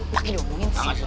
pak ini omongin sih